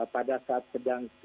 pada saat sedang